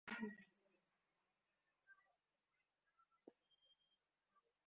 কিন্তু তাঁর মা-বাবা তাঁকে মহাত্মার ব্যক্তিগত কর্মকর্তা হিসেবে কাজে যুক্ত করেন।